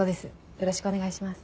よろしくお願いします。